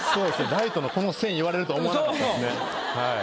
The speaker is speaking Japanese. ライトのこの線言われるとは思わなかったですね。